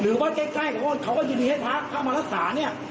หรือว่าใกล้เขาก็จะมีให้ภาคภาคมรักษาเนี่ย